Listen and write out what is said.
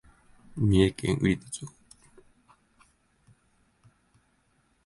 三重県菰野町